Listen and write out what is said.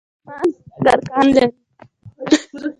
ايمان شپږ ارکان لري